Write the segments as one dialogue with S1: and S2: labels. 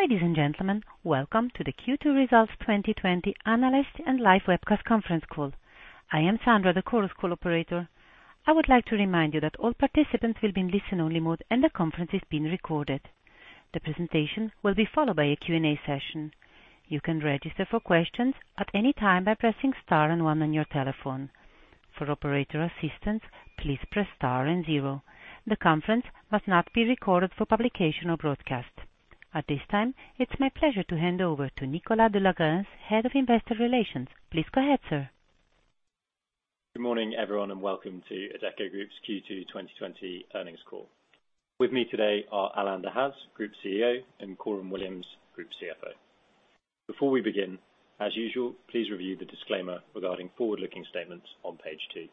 S1: Ladies and gentlemen, welcome to the Q2 results 2020 analyst and live webcast conference call. I am Sandra, the conference call operator. I would like to remind you that all participants will be in listen-only mode, and the conference is being recorded. The presentation will be followed by a Q&A session. You can register for questions at any time by pressing star and one on your telephone. For operator assistance, please press star and zero. The conference must not be recorded for publication or broadcast. At this time, it is my pleasure to hand over to Nicholas de la Grense, Head of Investor Relations. Please go ahead, sir.
S2: Good morning, everyone, and welcome to Adecco Group's Q2 2020 earnings call. With me today are Alain Dehaze, Group CEO, and Coram Williams, Group CFO. Before we begin, as usual, please review the disclaimer regarding forward-looking statements on page two.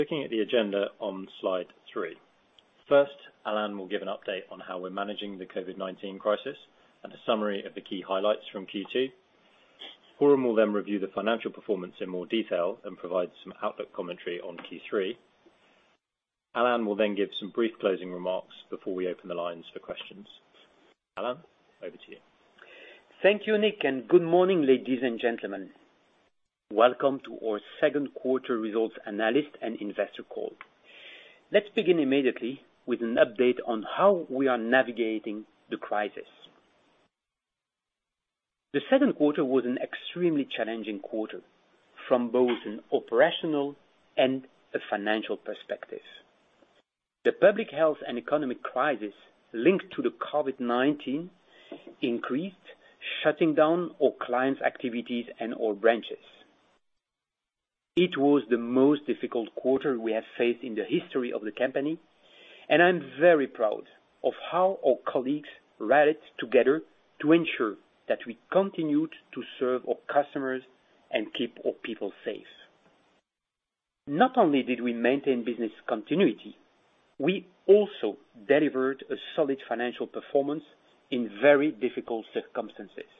S2: Looking at the agenda on Slide three. First, Alain will give an update on how we're managing the COVID-19 crisis and a summary of the key highlights from Q2. Coram will review the financial performance in more detail and provide some outlook commentary on Q3. Alain will give some brief closing remarks before we open the lines for questions. Alain, over to you.
S3: Thank you, Nick, and good morning, ladies and gentlemen. Welcome to our second-quarter results analyst and investor call. Let's begin immediately with an update on how we are navigating the crisis. The second quarter was an extremely challenging quarter from both an operational and a financial perspective. The public health and economic crisis linked to COVID-19 increased, shutting down all clients' activities and all branches. It was the most difficult quarter we have faced in the history of the company, and I'm very proud of how our colleagues rallied together to ensure that we continued to serve our customers and keep our people safe. Not only did we maintain business continuity, we also delivered a solid financial performance in very difficult circumstances.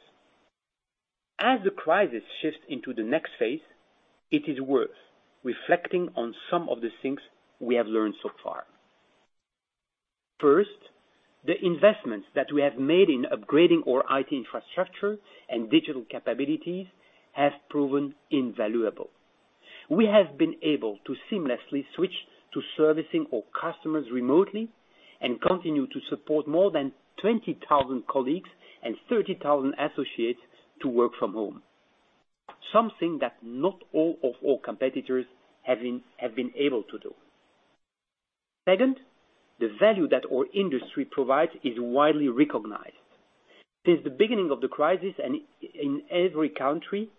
S3: As the crisis shifts into the next phase, it is worth reflecting on some of the things we have learned so far. First, the investments that we have made in upgrading our IT infrastructure and digital capabilities have proven invaluable. We have been able to seamlessly switch to servicing our customers remotely and continue to support more than 20,000 colleagues and 30,000 associates to work from home. Something that not all of our competitors have been able to do. Second, the value that our industry provides is widely recognized. Since the beginning of the crisis and in every country,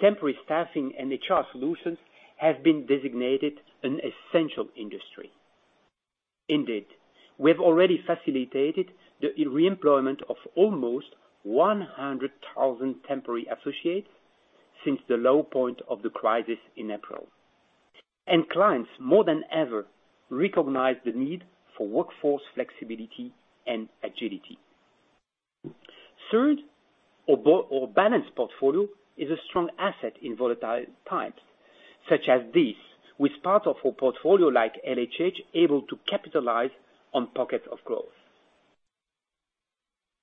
S3: temporary staffing and HR solutions have been designated an essential industry. Indeed, we have already facilitated the re-employment of almost 100,000 temporary associates since the low point of the crisis in April. Clients, more than ever, recognize the need for workforce flexibility and agility. Third, our balanced portfolio is a strong asset in volatile times, such as this, with part of our portfolio, like LHH able to capitalize on pockets of growth.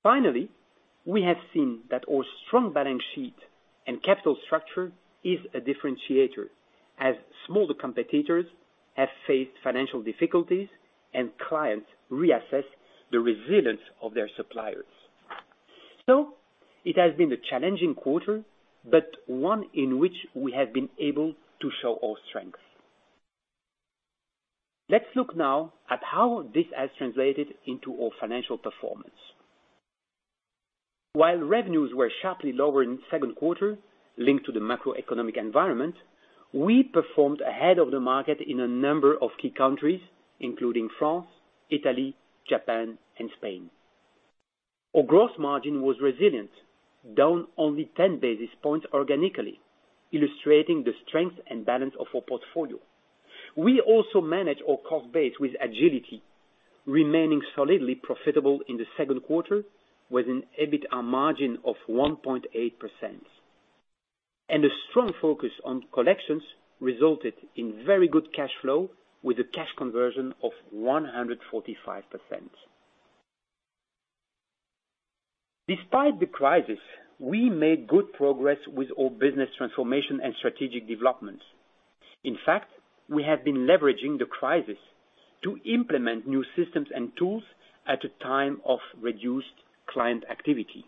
S3: Finally, we have seen that our strong balance sheet and capital structure are differentiators as smaller competitors have faced financial difficulties and clients reassess the resilience of their suppliers. It has been a challenging quarter, but one in which we have been able to show our strength. Let's look now at how this has translated into our financial performance. While revenues were sharply lower in the second quarter linked to the macroeconomic environment, we performed ahead of the market in a number of key countries, including France, Italy, Japan, and Spain. Our gross margin was resilient, down only 10 basis points organically, illustrating the strength and balance of our portfolio. We also manage our cost base with agility, remaining solidly profitable in the second quarter with an EBITDA margin of 1.8%. A strong focus on collections resulted in very good cash flow with a cash conversion of 145%. Despite the crisis, we made good progress with our business transformation and strategic developments. In fact, we have been leveraging the crisis to implement new systems and tools at a time of reduced client activity.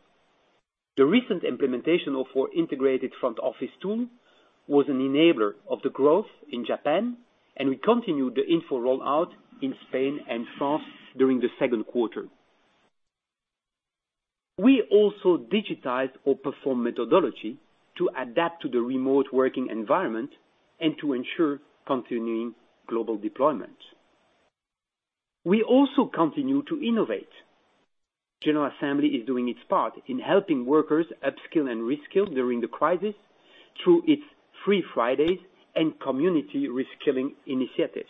S3: The recent implementation of our integrated front office tool was an enabler of the growth in Japan, and we continued the InFO rollout in Spain and France during the second quarter. We also digitized our PERFORM methodology to adapt to the remote working environment and to ensure continuing global deployment. We also continue to innovate. General Assembly is doing its part in helping workers upskill and reskill during the crisis through its Free Fridays and community reskilling initiatives.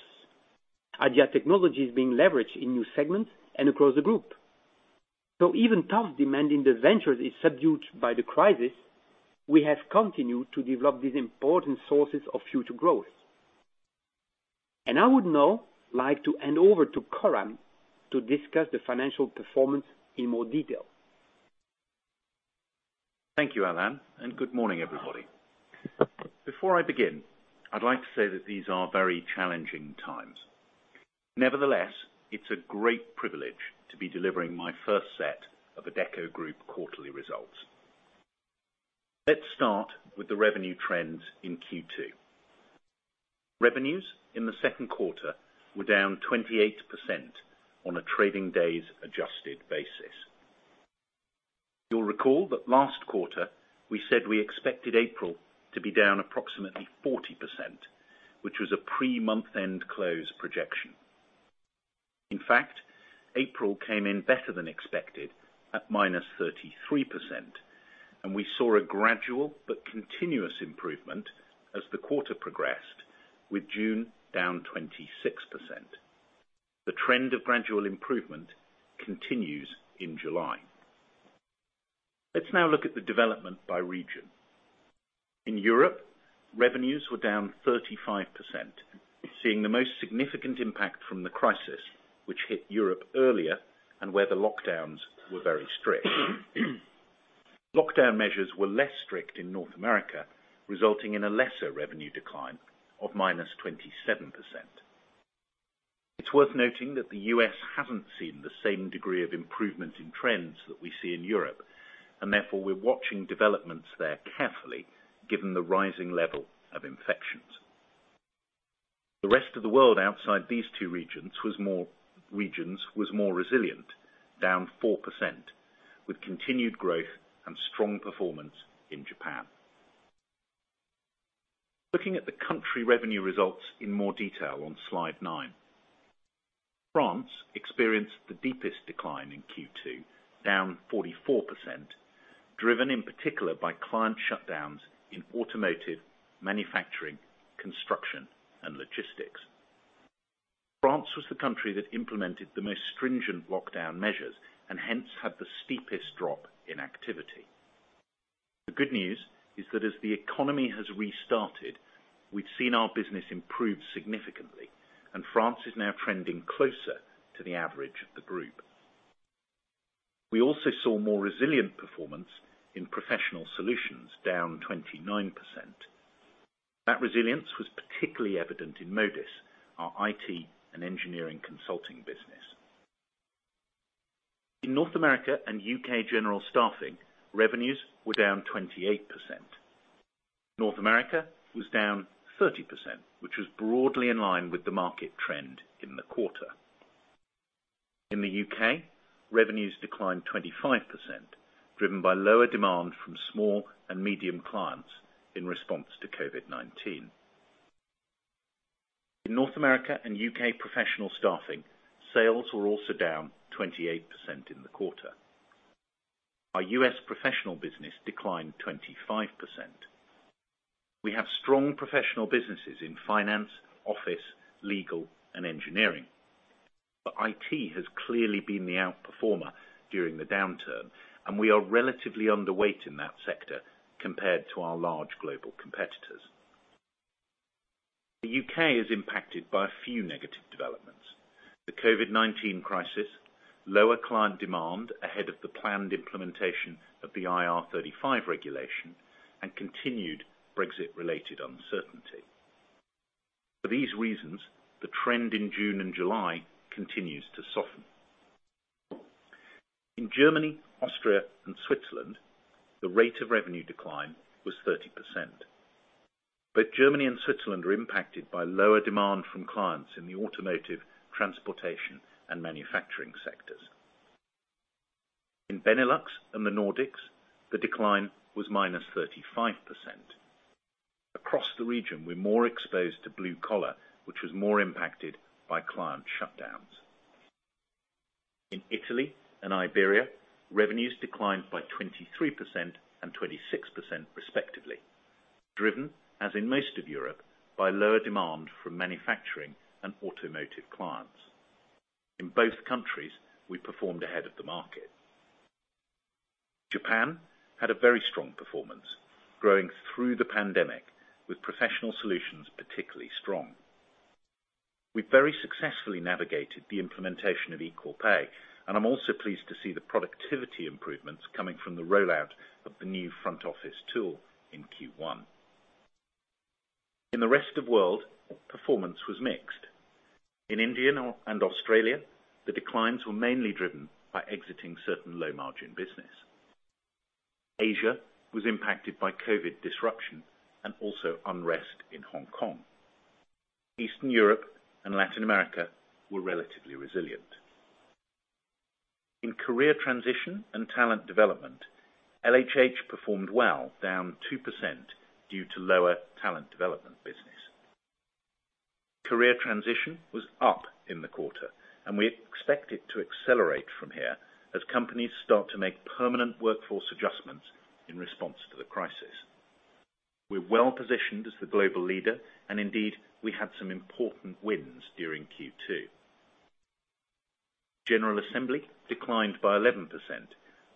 S3: Adia technology is being leveraged in new segments and across the group. Even though demand in the ventures is subdued by the crisis, we have continued to develop these important sources of future growth. I would now like to hand over to Coram to discuss the financial performance in more detail.
S4: Thank you, Alain, and good morning, everybody. Before I begin, I'd like to say that these are very challenging times. Nevertheless, it's a great privilege to be delivering my first set of Adecco Group quarterly results. Let's start with the revenue trends in Q2. Revenues in the second quarter were down 28% on a trading-days-adjusted basis. You'll recall that last quarter we said we expected April to be down approximately 40%, which was a pre-month-end close projection. In fact, April came in better than expected at -33%, and we saw a gradual but continuous improvement as the quarter progressed, with June down 26%. The trend of gradual improvement continues in July. Let's now look at the development by region. In Europe, revenues were down 35%, seeing the most significant impact from the crisis, which hit Europe earlier and where the lockdowns were very strict. Lockdown measures were less strict in North America, resulting in a lesser revenue decline of -27%. It's worth noting that the U.S. hasn't seen the same degree of improvement in trends that we see in Europe, and therefore we're watching developments there carefully given the rising level of infections. The rest of the world outside these two regions was more resilient, down 4%, with continued growth and strong performance in Japan. Look at the country revenue results in more detail on slide nine. France experienced the deepest decline in Q2, down 44%, driven in particular by client shutdowns in automotive, manufacturing, construction, and logistics. France was the country that implemented the most stringent lockdown measures and hence had the steepest drop in activity. The good news is that as the economy has restarted, we've seen our business improve significantly, and France is now trending closer to the average of the group. We also saw more resilient performance in professional solutions down 29%. That resilience was particularly evident in Modis, our IT and engineering consulting business. In North America and U.K. general staffing, revenues were down 28%. North America was down 30%, which was broadly in line with the market trend in the quarter. In the U.K., revenues declined 25%, driven by lower demand from small and medium clients in response to COVID-19. In North America and U.K. professional staffing: sales were also down 28% in the quarter. Our U.S. professional business declined 25%. We have strong professional businesses in finance, office, legal, and engineering, but IT has clearly been the outperformer during the downturn, and we are relatively underweight in that sector compared to our large global competitors. The U.K. is impacted by a few negative developments: the COVID-19 crisis, lower client demand ahead of the planned implementation of the IR35 regulation, and continued Brexit-related uncertainty. For these reasons, the trend in June and July continues to soften. In Germany, Austria, and Switzerland, the rate of revenue decline was 30%. Both Germany and Switzerland were impacted by lower demand from clients in the automotive, transportation, and manufacturing sectors. In Benelux and the Nordics, the decline was -35%. Across the region, we're more exposed to blue collar, which was more impacted by client shutdowns. In Italy and Iberia, revenues declined by 23% and 26%, respectively, driven, as in most of Europe, by lower demand from manufacturing and automotive clients. In both countries, we performed ahead of the market. Japan had a very strong performance growing through the pandemic, with professional solutions particularly strong. We very successfully navigated the implementation of equal pay, and I'm also pleased to see the productivity improvements coming from the rollout of the new front office tool in Q1. In the rest of the world, performance was mixed. In India and Australia, the declines were mainly driven by exiting certain low-margin businesses. Asia was impacted by COVID disruption and also unrest in Hong Kong. Eastern Europe and Latin America were relatively resilient. In career transition and talent development, LHH performed well, down 2% due to lower talent development business. Career transition was up in the quarter, and we expect it to accelerate from here as companies start to make permanent workforce adjustments in response to the crisis. We're well-positioned as the global leader, and indeed, we had some important wins during Q2. The General Assembly declined by 11%,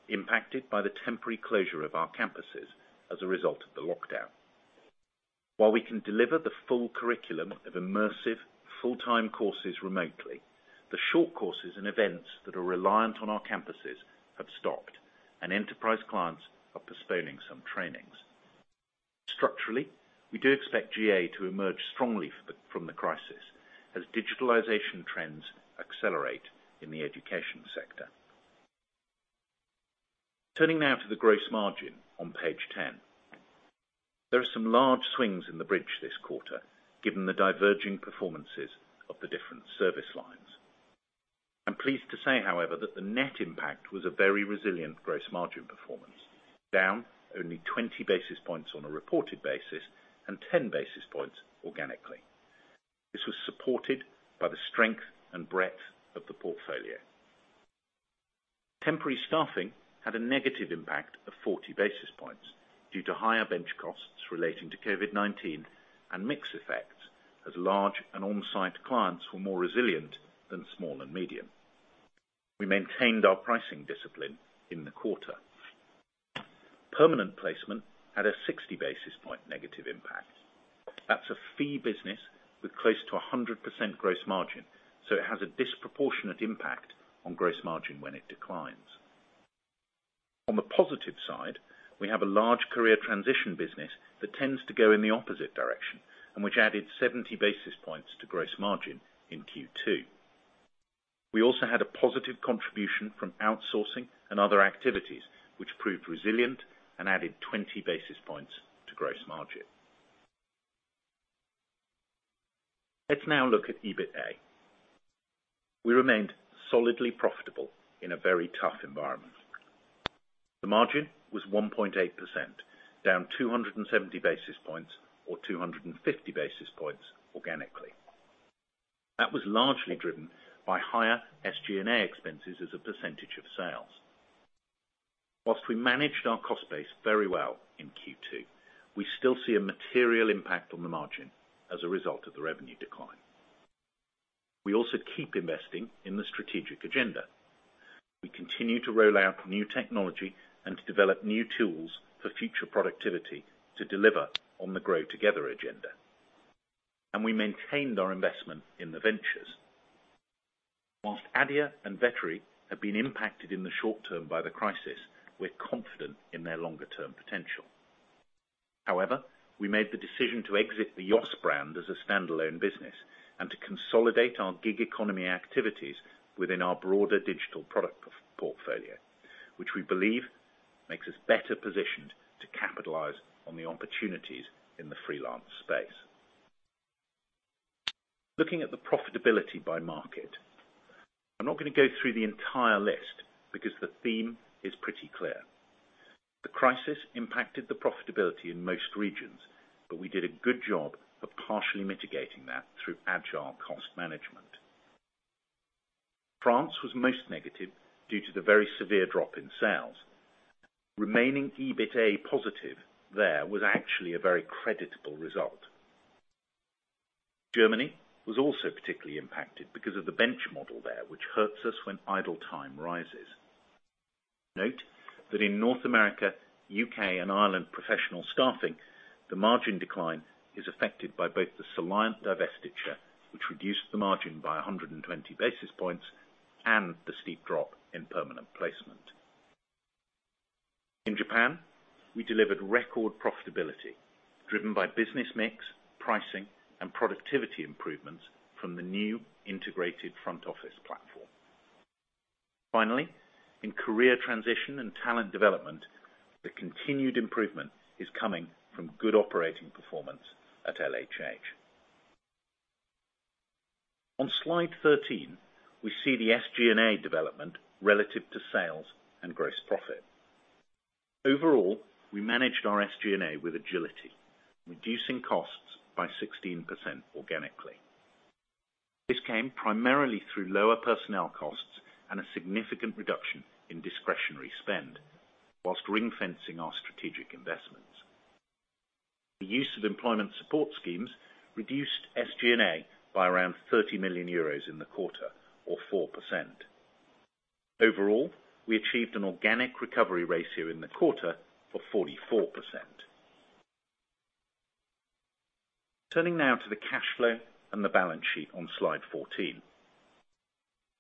S4: impacted by the temporary closure of our campuses as a result of the lockdown. While we can deliver the full curriculum of immersive full-time courses remotely, the short courses and events that are reliant on our campuses have stopped, and enterprise clients are postponing some trainings. Structurally, we do expect GA to emerge strongly from the crisis as digitalization trends accelerate in the education sector. Turning now to the gross margin on page 10. There are some large swings in the bridge this quarter given the diverging performances of the different service lines. I'm pleased to say, however, that the net impact was a very resilient gross margin performance, down only 20 basis points on a reported basis and 10 basis points organically. This was supported by the strength and breadth of the portfolio. Temporary staffing had a negative impact of 40 basis points due to higher bench costs relating to COVID-19 and mix effects, as large and on-site clients were more resilient than small and medium ones. We maintained our pricing discipline in the quarter. Permanent placement had a 60 basis point negative impact. That's a fee business with close to 100% gross margin, so it has a disproportionate impact on gross margin when it declines. On the positive side, we have a large career transition business that tends to go in the opposite direction and which added 70 basis points to gross margin in Q2. We also had a positive contribution from outsourcing and other activities, which proved resilient and added 20 basis points to gross margin. Let's now look at EBITA. We remained solidly profitable in a very tough environment. The margin was 1.8%, down 270 basis points or 250 basis points organically. That was largely driven by higher SG&A expenses as a percentage of sales. While we managed our cost base very well in Q2, we still see a material impact on the margin as a result of the revenue decline. We also keep investing in the strategic agenda. We continue to roll out new technology and to develop new tools for future productivity to deliver on the GrowTogether agenda. We maintained our investment in the ventures. While Adia and Vettery have been impacted in the short term by the crisis, we're confident in their longer-term potential. We made the decision to exit the YOSS brand as a standalone business and to consolidate our gig economy activities within our broader digital product portfolio, which we believe makes us better positioned to capitalize on the opportunities in the freelance space. Looking at the profitability by market. I'm not going to go through the entire list because the theme is pretty clear. The crisis impacted the profitability in most regions, but we did a good job of partially mitigating that through agile cost management. France was most negative due to the very severe drop in sales. Remaining EBITA positive, there was actually a very creditable result. Germany was also particularly impacted because of the bench model there, which hurts us when idle time rises. Note that in North America, the U.K., and Ireland professional staffing, the margin decline is affected by both the Soliant divestiture, which reduced the margin by 120 basis points, and the steep drop in permanent placement. In Japan, we delivered record profitability driven by business mix, pricing, and productivity improvements from the new integrated front office platform. Finally, in career transition and talent development, the continued improvement is coming from good operating performance at LHH. On slide 13, we see the SG&A development relative to sales and gross profit. Overall, we managed our SG&A with agility, reducing costs by 16% organically. This came primarily through lower personnel costs and a significant reduction in discretionary spending while ring-fencing our strategic investments. The use of employment support schemes reduced SG&A by around 30 million euros in the quarter, or 4%. Overall, we achieved an organic recovery ratio in the quarter of 44%. Turning now to the cash flow and the balance sheet on slide 14.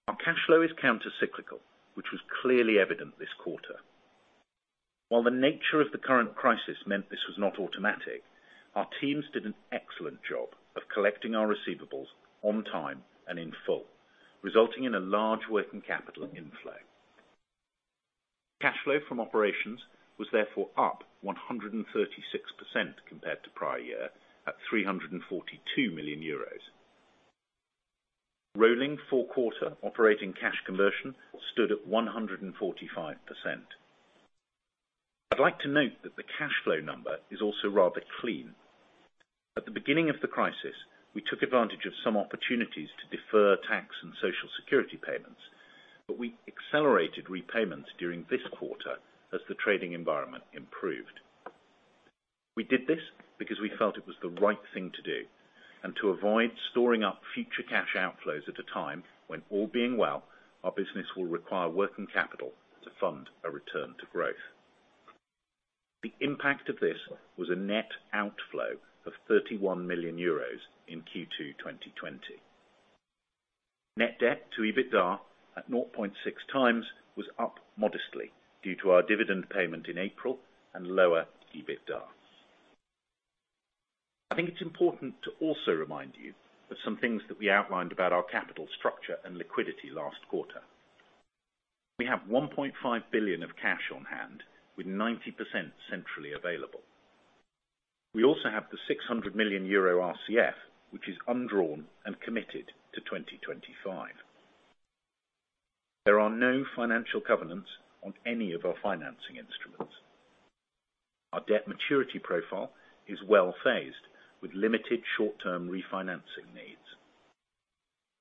S4: Our cash flow is countercyclical, which was clearly evident this quarter. While the nature of the current crisis meant this was not automatic, our teams did an excellent job of collecting our receivables on time and in full, resulting in a large working capital inflow. Cash flow from operations was therefore up 136% compared to the prior year at 342 million euros. Rolling four-quarter operating cash conversion stood at 145%. I'd like to note that the cash flow number is also rather clean. At the beginning of the crisis, we took advantage of some opportunities to defer tax and social security payments, but we accelerated repayments during this quarter as the trading environment improved. We did this because we felt it was the right thing to do and to avoid storing up future cash outflows at a time when, all being well, our business will require working capital to fund a return to growth. The impact of this was a net outflow of 31 million euros in Q2 2020. Net debt to EBITDA at 0.6x was up modestly due to our dividend payment in April and lower EBITDA. I think it's important to also remind you of some things that we outlined about our capital structure and liquidity last quarter. We have 1.5 billion of cash on hand, with 90% centrally available. We also have the 600 million euro RCF, which is undrawn and committed to 2025. There are no financial covenants on any of our financing instruments. Our debt maturity profile is well phased, with limited short-term refinancing needs.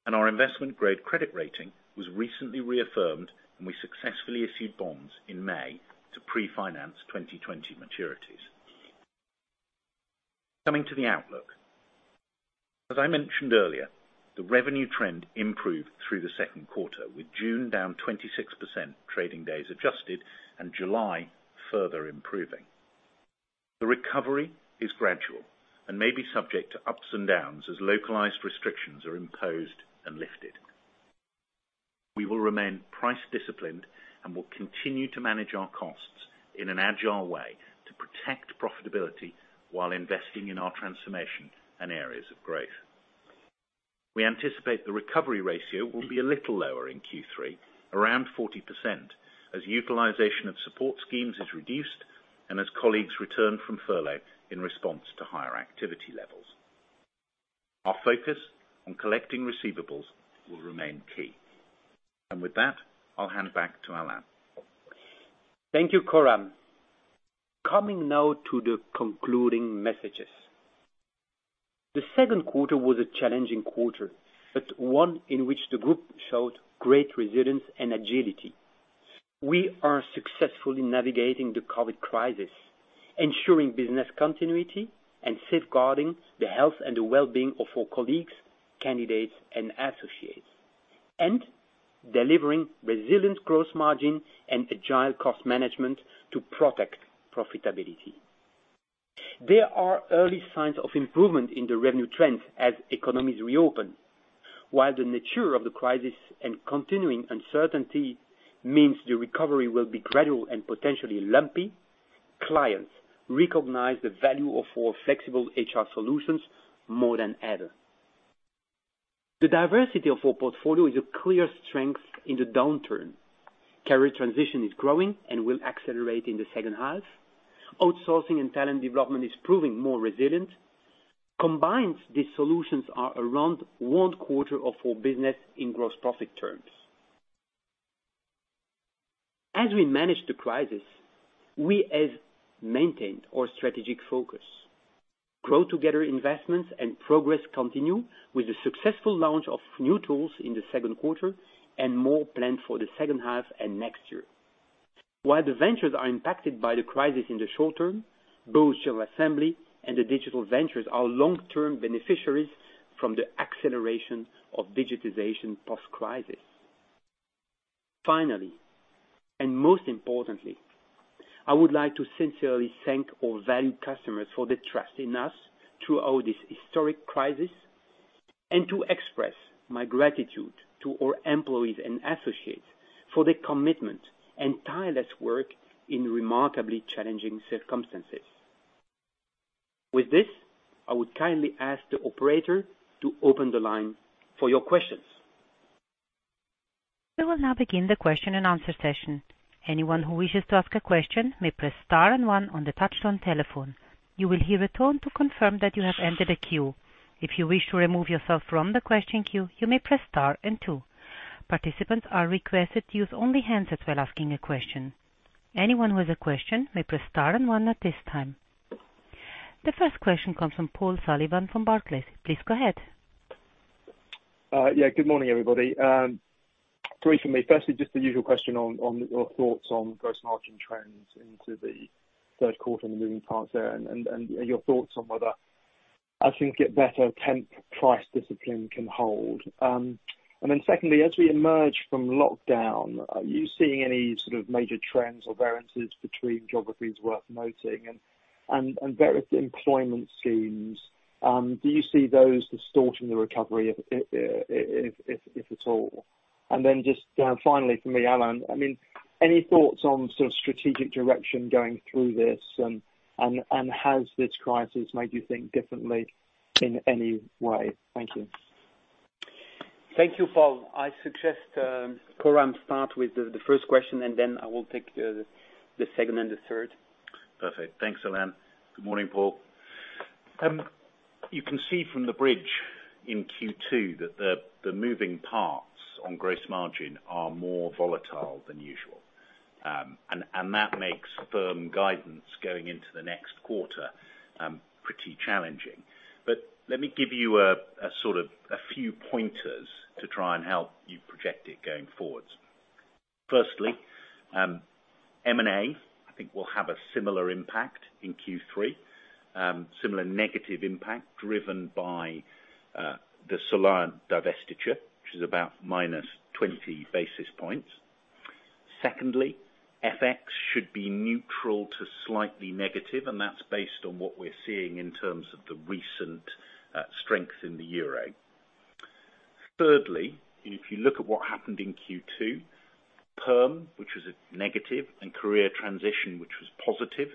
S4: Our investment-grade credit rating was recently reaffirmed, and we successfully issued bonds in May to pre-finance 2020 maturities. Coming to the outlook. As I mentioned earlier, the revenue trend improved through the second quarter, with June down 26% trading days adjusted and July further improving. The recovery is gradual and may be subject to ups and downs as localized restrictions are imposed and lifted. We will remain price-disciplined and will continue to manage our costs in an agile way to protect profitability while investing in our transformation and areas of growth. We anticipate the recovery ratio will be a little lower in Q3, around 40%, as utilization of support schemes is reduced and as colleagues return from furlough in response to higher activity levels. Our focus on collecting receivables will remain key. With that, I'll hand back to Alain.
S3: Thank you, Coram. Coming now to the concluding messages. The second quarter was a challenging quarter, but one in which the group showed great resilience and agility. We are successfully navigating the COVID crisis, ensuring business continuity, and safeguarding the health and the well-being of our colleagues, candidates, and associates and delivering resilient growth margin and agile cost management to protect profitability. There are early signs of improvement in the revenue trend as economies reopen. While the nature of the crisis and continuing uncertainty means the recovery will be gradual and potentially lumpy, clients recognize the value of our flexible HR solutions more than ever. The diversity of our portfolio is a clear strength in the downturn. Career transition is growing and will accelerate in the second half. Outsourcing and talent development are proving more resilient. Combined, these solutions are around one quarter of our business in gross profit terms. As we manage the crisis, we have maintained our strategic focus. GrowTogether investments and progress continue with the successful launch of new tools in the second quarter and more planned for the second half and next year. While the ventures are impacted by the crisis in the short term, both General Assembly and the digital ventures are long-term beneficiaries from the acceleration of digitization post-crisis. Finally, and most importantly, I would like to sincerely thank our valued customers for the trust in us throughout this historic crisis and to express my gratitude to all employees and associates for their commitment and tireless work in remarkably challenging circumstances. With this, I would kindly ask the operator to open the line for your questions.
S1: We will now begin the question and answer session. Anyone who wishes to ask a question may press star and one on the touch-tone telephone. You will hear a tone to confirm that you have entered a queue. If you wish to remove yourself from the question queue, you may press star and two. Participants are requested to use only handsets while asking a question. Anyone who has a question may press star and one at this time. The first question comes from Paul Sullivan from Barclays. Please go ahead.
S5: Yeah, good morning, everybody. Briefly, firstly, just the usual question on your thoughts on gross margin trends into the third quarter and the moving parts there and your thoughts on whether, as things get better, temp price discipline can hold. Secondly, as we emerge from lockdown, are you seeing any sort of major trends or variances between geographies worth noting and various employment schemes? Do you see those distorting the recovery, if at all? Just finally from me, Alain, any thoughts on the sort of strategic direction going through this, and has this crisis made you think differently in any way? Thank you.
S3: Thank you, Paul. I suggest Coram start with the first question, and then I will take the second and the third.
S4: Perfect. Thanks, Alain. Good morning, Paul. You can see from the bridge in Q2 that the moving parts on gross margin are more volatile than usual. That makes firm guidance going into the next quarter pretty challenging. Let me give you a few pointers to try and help you project it going forward. Firstly, M&A, I think, will have a similar impact in Q3. Similar negative impact driven by the Soliant divestiture, which is about -20 basis points. Secondly, FX should be neutral to slightly negative, and that's based on what we're seeing in terms of the recent strength in the euro. Thirdly, if you look at what happened in Q2, perm, which was a negative, and career transition, which was positive,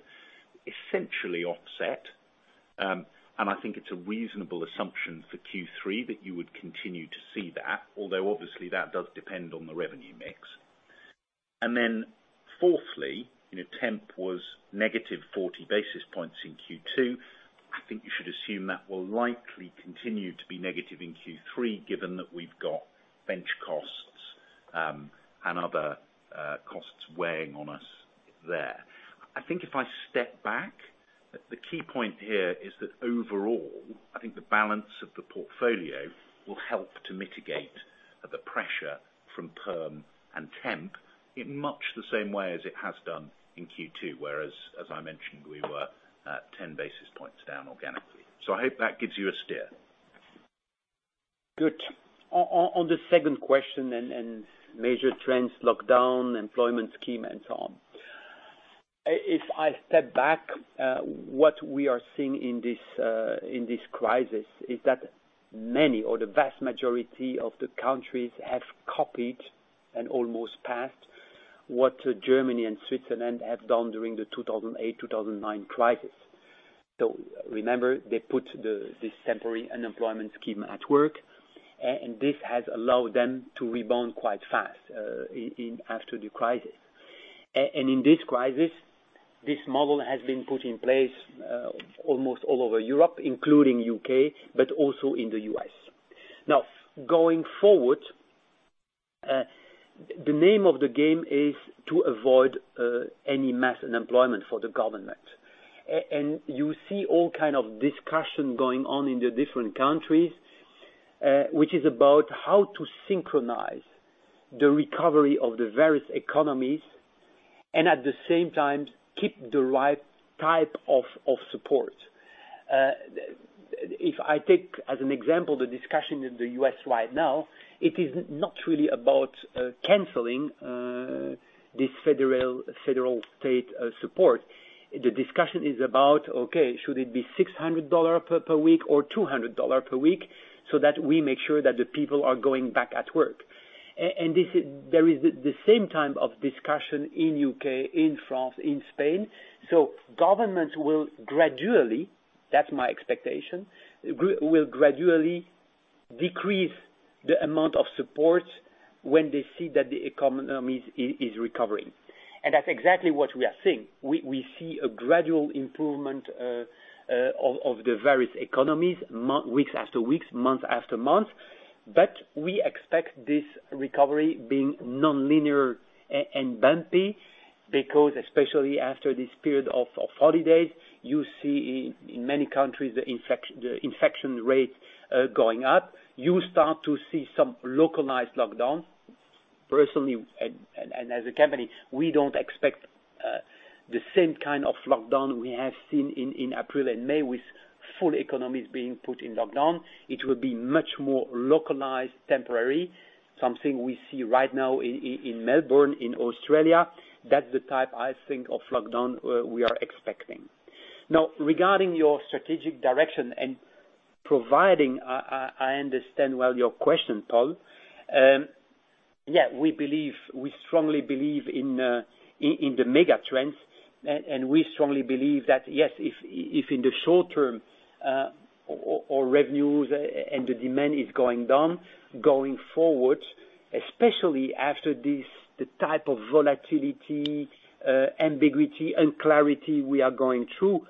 S4: essentially offset. I think it's a reasonable assumption for Q3 that you would continue to see that, although obviously that does depend on the revenue mix. Then, fourthly, the temp was -40 basis points in Q2. I think you should assume that will likely continue to be negative in Q3, given that we've got bench costs and other costs weighing on us there. I think if I step back, the key point here is that overall, I think the balance of the portfolio will help to mitigate the pressure from perm and temp in much the same way as it has done in Q2. Whereas, as I mentioned, we were at 10 basis points down organically. I hope that gives you a steer.
S3: Good. On the second question and major trends, lockdown, employment schemes, and so on. If I step back, what we are seeing in this crisis is that many, or the vast majority, of the countries have copied and almost surpassed what Germany and Switzerland have done during the 2008-2009 crisis. Remember, they put this temporary unemployment scheme at work, and this has allowed them to rebound quite fast after the crisis. In this crisis, this model has been put in place almost all over Europe, including the U.K., but also in the U.S. Going forward, the name of the game is to avoid any mass unemployment for the government. You see all kinds of discussion going on in the different countries, which is about how to synchronize the recovery of the various economies and, at the same time, keep the right type of support. If I take, as an example, the discussion in the U.S. right now, it is not really about canceling this federal state support. The discussion is about, okay, should it be EUR 600 per week or EUR 200 per week so that we make sure that the people are going back to work? There is the same type of discussion in U.K., in France, and in Spain. Governments will gradually, that's my expectation, decrease the amount of support when they see that the economy is recovering. That's exactly what we are seeing. We see a gradual improvement of the various economies week after week, month after month. We expect this recovery to be nonlinear and bumpy because especially after this period of holidays, you see in many countries the infection rate going up. You start to see some localized lockdowns. Personally, and as a company, we don't expect the same kind of lockdown we have seen in April and May, with full economies being put in lockdown. It will be much more localized and temporary. Something we see right now in Melbourne, in Australia. That's the type of lockdown I think we are expecting. Regarding your strategic direction and providing, I understand well your question, Paul. Yeah, we strongly believe in the mega trends; we strongly believe that, yes, if in the short term our revenues and the demand are going down, going forward, especially after this, the type of volatility, ambiguity, and clarity we are going through,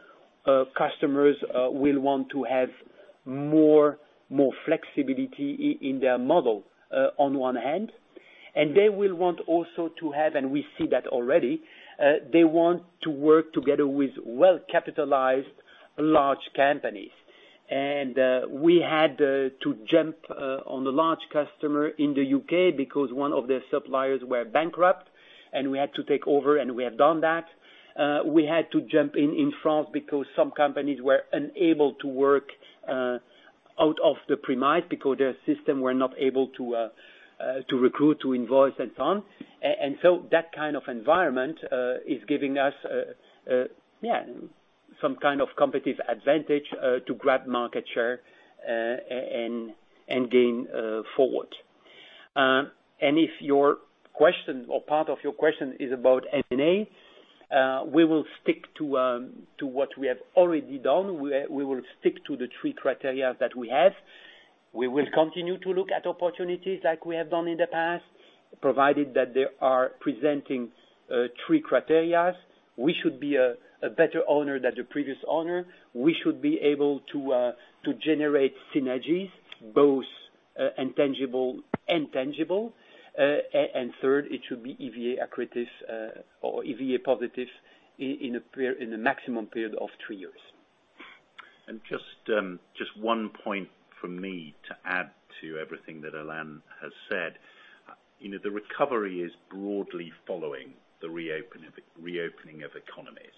S3: customers will want to have more flexibility in their model on one hand. They will want also to have, and we see that already; they want to work together with well-capitalized large companies. We had to jump on the large customer in the U.K. because one of their suppliers was bankrupt, and we had to take over, and we have done that. We had to jump in in France because some companies were unable to work out of the premises because their systems were not able to recruit, to invoice, and so on. That kind of environment is giving us some kind of competitive advantage to grab market share and gain ground. If your question or part of your question is about M&A, we will stick to what we have already done. We will stick to the three criteria that we have. We will continue to look at opportunities like we have done in the past, provided that they are presenting three criteria. We should be a better owner than the previous owner. We should be able to generate synergies, both intangible and tangible. Third, it should be EVA accretive or EVA positive in a maximum period of three years.
S4: Just one point from me to add to everything that Alain has said. The recovery is broadly following the reopening of economies.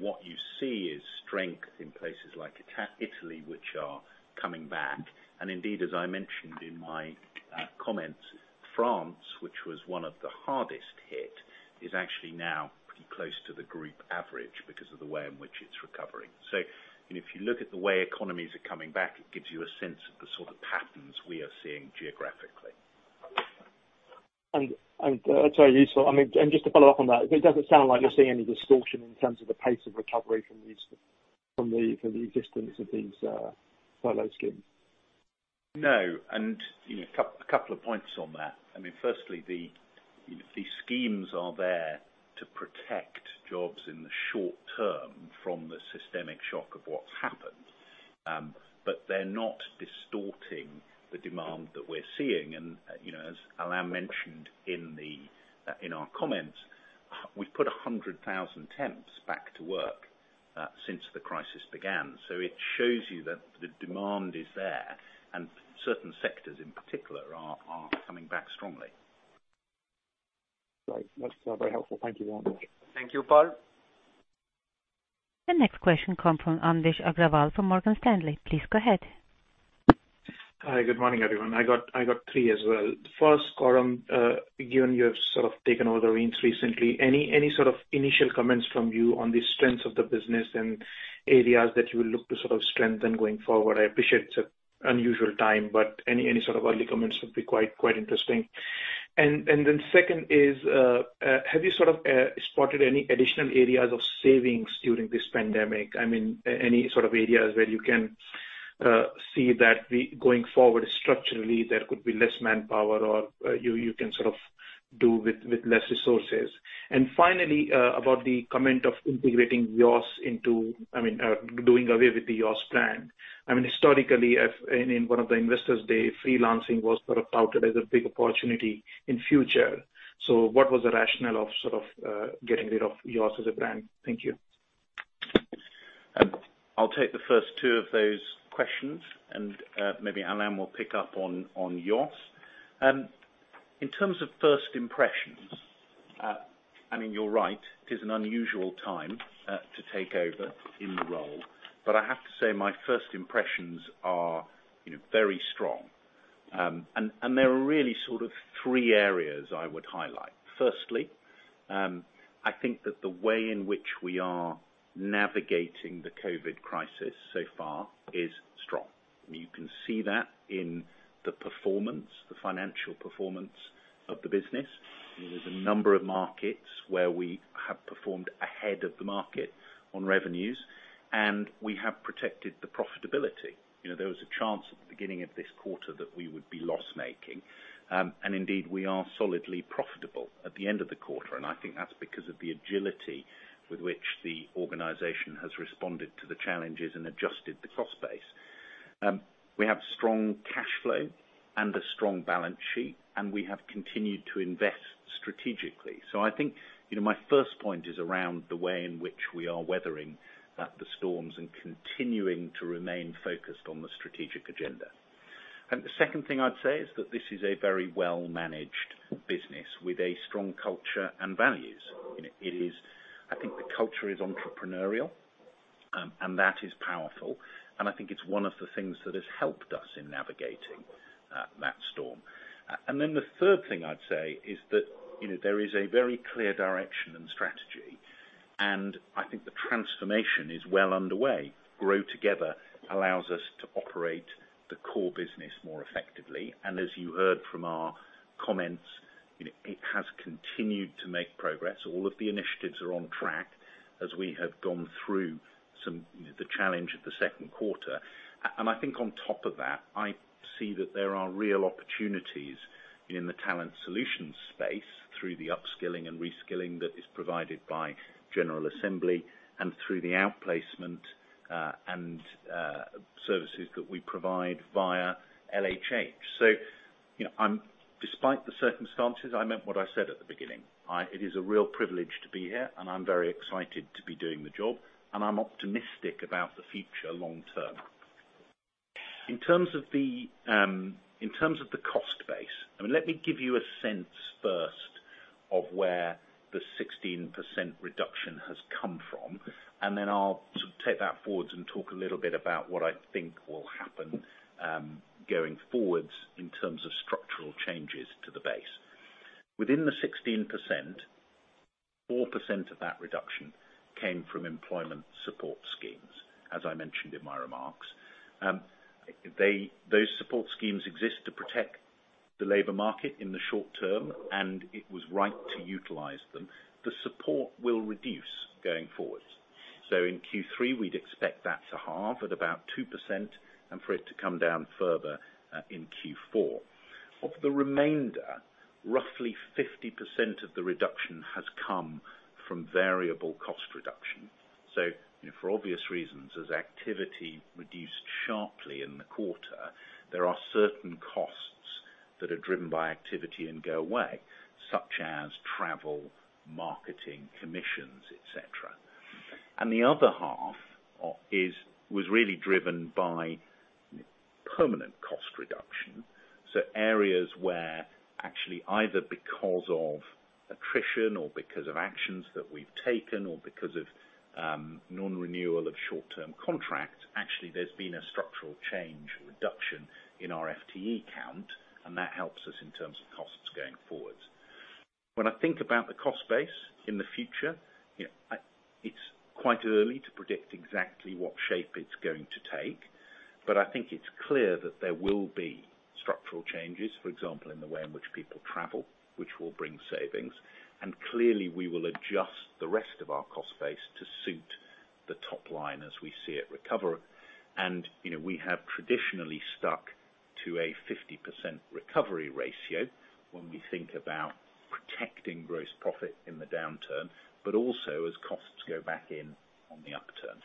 S4: What you see is strength in places like Italy, which are coming back. Indeed, as I mentioned in my comments, France, which was one of the hardest hit, is actually now pretty close to the group average because of the way in which it's recovering. If you look at the way economies are coming back, it gives you a sense of the sort of patterns we are seeing geographically.
S5: That's very useful. Just to follow up on that, it doesn't sound like you're seeing any distortion in terms of the pace of recovery from the existence of these furlough schemes.
S4: No. A couple of points on that. Firstly, these schemes are there to protect jobs in the short term from the systemic shock of what's happened. They're not distorting the demand that we're seeing. As Alain mentioned in our comments, we've put 100,000 temps back to work since the crisis began. It shows you that the demand is there and certain sectors in particular are coming back strongly.
S5: Right. That's very helpful. Thank you, Coram.
S3: Thank you, Paul.
S1: The next question comes from Anvesh Agrawal from Morgan Stanley. Please go ahead.
S6: Hi, good morning, everyone. I got three as well. First, Coram, given you have taken over the reins recently, any initial comments from you on the strengths of the business and areas that you will look to strengthen going forward? I appreciate it's an unusual time; any early comments would be quite interesting. Second is, have you spotted any additional areas of savings during this pandemic? Any areas where you can see that going forward structurally there could be less manpower or you can do with fewer resources. Finally, about the comment of integrating YOSS doing away with the YOSS plan. Historically, in one of the investors' days, freelancing was touted as a big opportunity in the future. What was the rationale of sort of getting rid of YOSS as a brand? Thank you.
S4: I'll take the first two of those questions and maybe Alain will pick up on YOSS. In terms of first impressions, I mean, you're right, it is an unusual time to take over in the role. I have to say my first impressions are very strong. There are really sort of three areas I would highlight. Firstly, I think that the way in which we are navigating the COVID crisis so far is strong. You can see that in the performance, the financial performance of the business. There are a number of markets where we have performed ahead of the market on revenues, and we have protected the profitability. There was a chance at the beginning of this quarter that we would be loss-making. Indeed, we are solidly profitable at the end of the quarter. I think that's because of the agility with which the organization has responded to the challenges and adjusted the cost base. We have strong cash flow and a strong balance sheet, and we have continued to invest strategically. I think my first point is around the way in which we are weathering the storms and continuing to remain focused on the strategic agenda. The second thing I'd say is that this is a very well-managed business with a strong culture and values. I think the culture is entrepreneurial, and that is powerful. I think it's one of the things that has helped us in navigating that storm. The third thing I'd say is that there is a very clear direction and strategy. I think the transformation is well underway. GrowTogether allows us to operate the core business more effectively. As you heard from our comments, it has continued to make progress. All of the initiatives are on track as we have gone through the challenge of the second quarter. I think on top of that, I see that there are real opportunities in the talent solutions space through the upskilling and reskilling that is provided by General Assembly and through the outplacement and services that we provide via LHH. Despite the circumstances, I meant what I said at the beginning. It is a real privilege to be here, and I'm very excited to be doing the job, and I'm optimistic about the long-term future. In terms of the cost base, let me give you a sense first of where the 16% reduction has come from, and then I'll sort of take that forwards and talk a little bit about what I think will happen going forwards in terms of structural changes to the base. Within the 16%, 4% of that reduction came from employment support schemes, as I mentioned in my remarks. Those support schemes exist to protect the labor market in the short term, and it was right to utilize them. The support will reduce going forward. In Q3, we'd expect that to halve at about 2% and for it to come down further in Q4. Of the remainder, roughly 50% of the reduction has come from variable cost reduction. For obvious reasons, as activity reduced sharply in the quarter, there are certain costs that are driven by activity and go away, such as travel, marketing, commissions, et cetera. The other half was really driven by permanent cost reduction. Areas where, actually, either because of attrition or because of actions that we've taken or because of non-renewal of short-term contracts, there's actually been a structural change reduction in our FTE count, and that helps us in terms of costs going forward. When I think about the cost base in the future, it's quite early to predict exactly what shape it's going to take, but I think it's clear that there will be structural changes, for example, in the way in which people travel, which will bring savings. Clearly, we will adjust the rest of our cost base to suit the top line as we see it recover. We have traditionally stuck to a 50% recovery ratio when we think about protecting gross profit in the downturn but also as costs go back in on the upturn.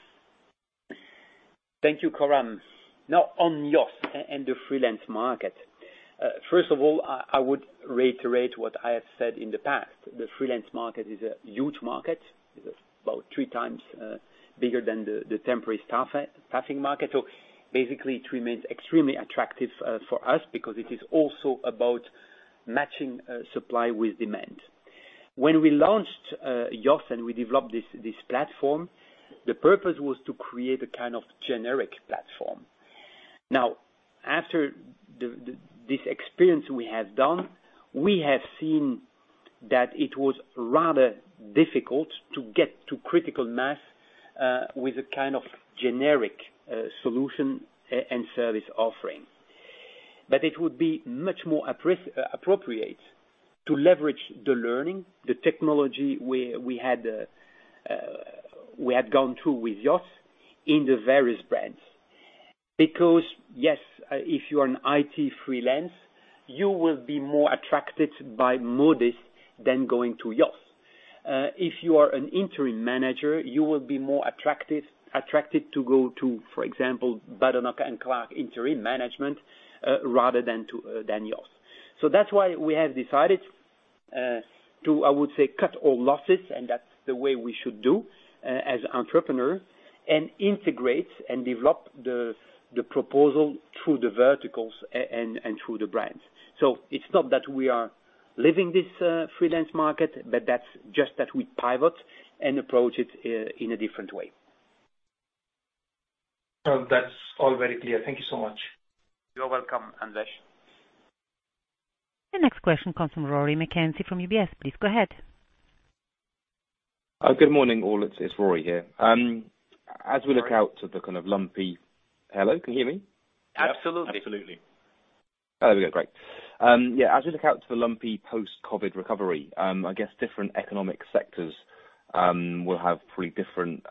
S3: Thank you, Coram. Now on YOSS and the freelance market. First of all, I would reiterate what I have said in the past. The freelance market is a huge market. It's about three times bigger than the temporary staffing market. Basically, it remains extremely attractive for us because it is also about matching supply with demand. When we launched YOSS and we developed this platform, the purpose was to create a kind of generic platform. Now, after this experience we have done, we have seen that it was rather difficult to get to critical mass with a kind of generic solution and service offering. It would be much more appropriate to leverage the learning and the technology we had gone through with YOSS in the various brands. Yes, if you are an IT freelancer, you will be more attracted by Modis than going to YOSS. If you are an interim manager, you will be more attracted to go to, for example, Badenoch & Clark Interim Management, rather than YOSS. That's why we have decided to, I would say, cut all losses, and that's the way we should do it as entrepreneurs, integrating and developing the proposal through the verticals and through the brands. It's not that we are leaving this freelance market, but it's just that we pivot and approach it in a different way.
S6: That's all very clear. Thank you so much.
S3: You're welcome, Anvesh.
S1: The next question comes from Rory McKenzie from UBS. Please go ahead.
S7: Good morning, all. It's Rory here. As we look out to the kind of lumpy. Hello, can you hear me?
S3: Absolutely.
S4: Absolutely.
S7: There we go. Great. Yeah. As we look out to the lumpy post-COVID recovery, I guess different economic sectors will have pretty different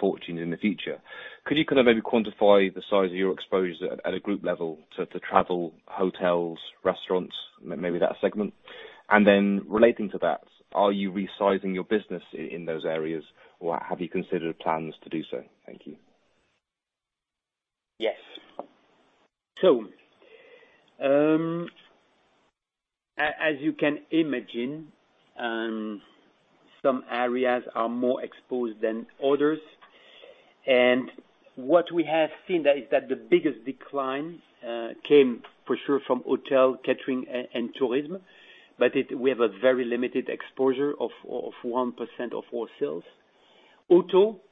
S7: fortunes in the future. Could you kind of maybe quantify the size of your exposure at a group level to travel, hotels, restaurants, or maybe that segment? Relating to that, are you resizing your business in those areas, or have you considered plans to do so? Thank you.
S3: Yes. As you can imagine, some areas are more exposed than others. What we have seen is that the biggest decline came for sure from hotel catering and tourism, but we have very limited exposure of 1% of our sales.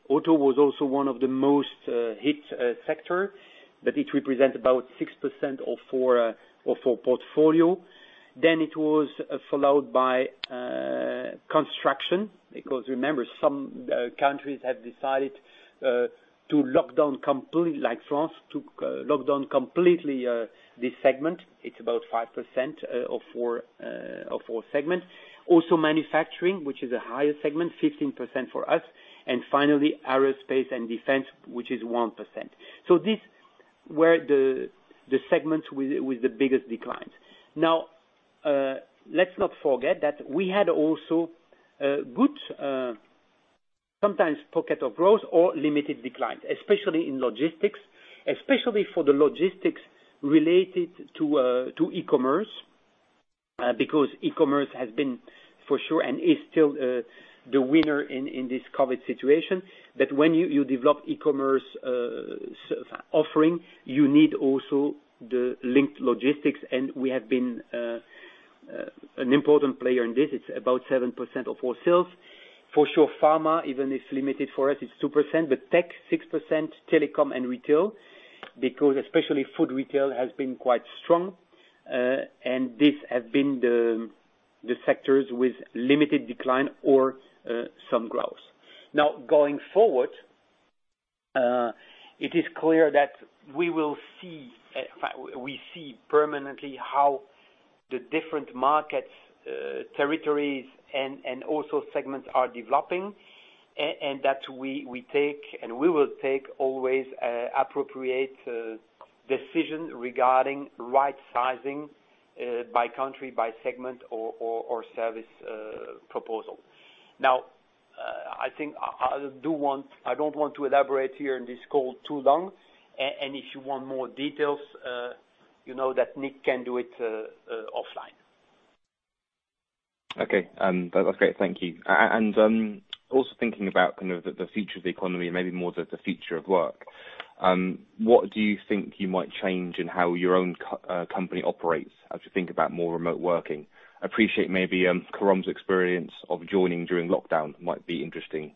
S3: Auto was also one of the most hit sectors, but it represents about 6% of our portfolio. It was followed by construction, because remember, some countries have decided to lock down completely, like France took this segment completely lockdown. It's about 5% of our segment. Also, manufacturing, which is a higher segment, is 15% for us. Finally, aerospace and defense, which is 1%. These were the segments with the biggest declines. Let's not forget that we also had good, sometimes pocketed, growth or limited declines, especially in logistics, especially for the logistics related to e-commerce, because e-commerce has been for sure and is still the winner in this COVID situation, that when you develop e-commerce offerings, you also need the linked logistics, and we have been an important player in this. It's about 7% of our sales. For sure, pharma, even if limited for us, is 2%, but tech, 6%, telecom, and retail, because especially food retail has been quite strong, and these have been the sectors with limited decline or some growth. Going forward, it is clear that In fact, we see permanently how the different markets, territories, and also segments are developing. We take, and we will always take, appropriate decisions regarding right-sizing by country, by segment, or by service proposal. Now, I think I don't want to elaborate here in this call too long. If you want more details, you know that Nick can do it offline.
S7: Okay. That's great. Thank you. Also thinking about kind of the future of the economy and maybe more the future of work. What do you think you might change in how your own company operates as you think about more remote working? I appreciate maybe Coram's experience of joining during lockdown might be interesting.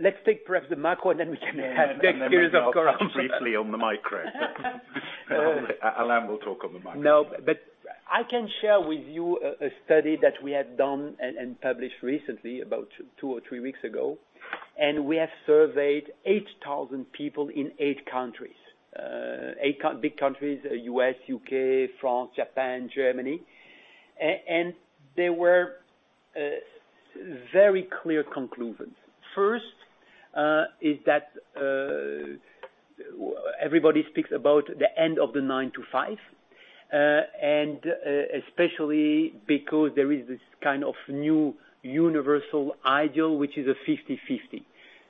S3: Let's take perhaps the macro, and then we can have the experience of Coram.
S7: Briefly on the micro.
S4: Alain will talk on the micro.
S3: No. I can share with you a study that we have done and published recently about two or three weeks ago. We have surveyed 8,000 people in eight countries. Eight big countries: the U.S., U.K., France, Japan, and Germany. There were very clear conclusions. First is that everybody speaks about the end of the nine-five. Especially because there is this kind of new universal ideal, which is a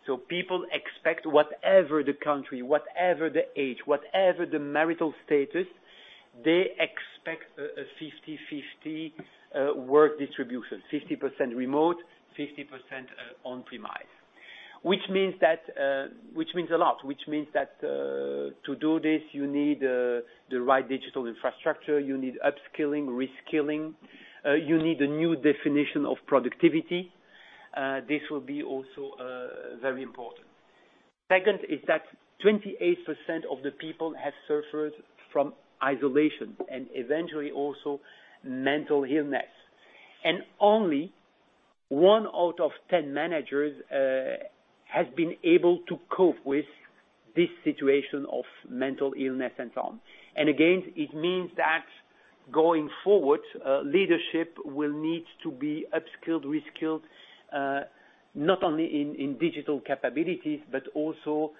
S3: 50/50. People expect, whatever the country, whatever the age, whatever the marital status, a 50/50 work distribution, 50% remote, 50% on-premise. Which means a lot. Which means that to do this, you need the right digital infrastructure; you need upskilling and reskilling. You need a new definition of productivity. This will also be very important. Second is that 28% of the people have suffered from isolation and, eventually, also mental illness. Only one out of 10 managers has been able to cope with this situation of mental illness and so on. Again, it means that going forward, leadership will need to be upskilled and reskilled not only in digital capabilities but also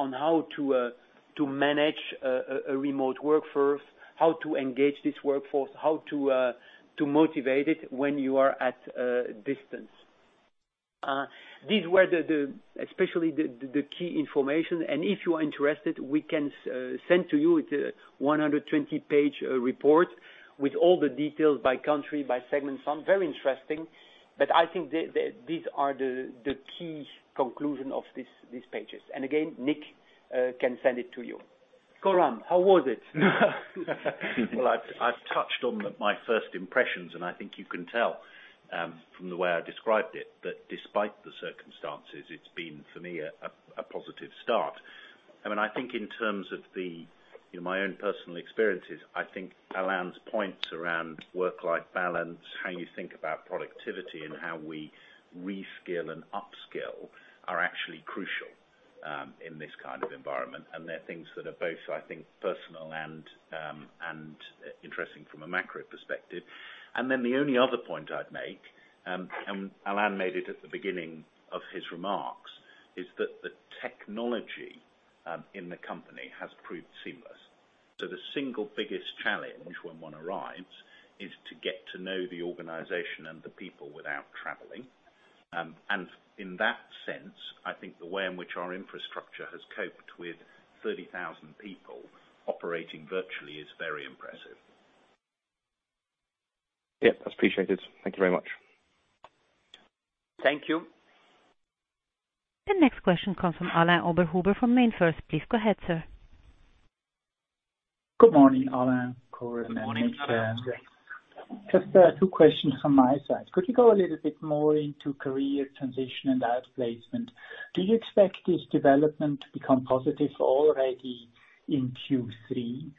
S3: in how to manage a remote workforce, how to engage this workforce, and how to motivate it when you are at a distance. These were especially the key information. If you are interested, we can send it to you; it's a 120-page report with all the details by country and by segment. Some are very interesting. I think these are the key conclusions of these pages. Again, Nick can send it to you. Coram, how was it?
S4: I've touched on my first impressions. I think you can tell from the way I described it that despite the circumstances, it's been, for me, a positive start. In terms of my own personal experiences, I think Alain's points around work-life balance, how you think about productivity, and how we reskill and upskill are actually crucial in this kind of environment. They're things that are both, I think, personal and interesting from a macro perspective. The only other point I'd make, and Alain made it at the beginning of his remarks, is that the technology in the company has proved seamless. The single biggest challenge when one arrives is to get to know the organization and the people without traveling. In that sense, I think the way in which our infrastructure has coped with 30,000 people operating virtually is very impressive.
S7: Yeah, that's appreciated. Thank you very much.
S3: Thank you.
S1: The next question comes from Alain Oberhuber from MainFirst. Please go ahead, sir.
S8: Good morning, Alain, Coram, and Nick.
S3: Good morning, Alain.
S8: Just two questions from my side. Could you go a little bit more into career transition and outplacement? Do you expect this development to become positive already in Q3?